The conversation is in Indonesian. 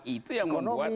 itu yang membuat